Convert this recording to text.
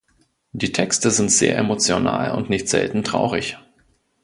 Die Texte sind sehr emotional und nicht selten traurig.